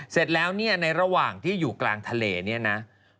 เสร็จแล้วเนี่ยในระหว่างที่อยู่กลางทะเลเนี่ยนะ